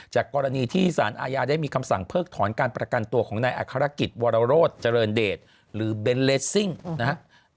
จากกรณีที่สารอาญาได้มีคำสั่งเพิกถอนการประกันตัวของนายอัครกิจวรโรธเจริญเดชหรือเบนท์เลสซิ่งนะครับ